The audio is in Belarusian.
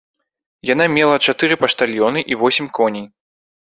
Яна мела чатыры паштальёны і восем коней.